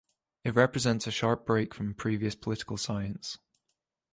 It represents a sharp break from previous political science.